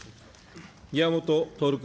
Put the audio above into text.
宮本徹君。